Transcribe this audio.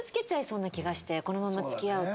このまま付き合うと。